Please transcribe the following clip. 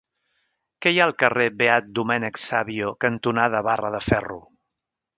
Què hi ha al carrer Beat Domènec Savio cantonada Barra de Ferro?